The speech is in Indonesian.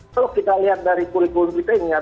kalau kita lihat dari kulit kulitnya